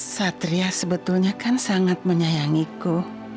satria sebetulnya kan sangat menyayangiku